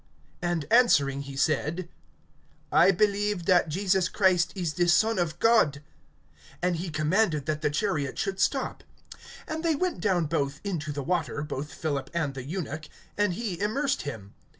And answering he said: I believe that Jesus Christ is the Son of God. (38)And he commanded that the chariot should stop. And they went down both into the water, both Philip and the eunuch; and he immersed him.